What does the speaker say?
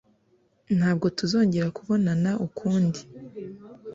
Ntabwo tuzongera kubonana ukundi.